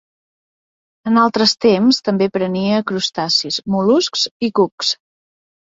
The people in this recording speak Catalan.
En altres temps també prenia crustacis, mol·luscs i cucs.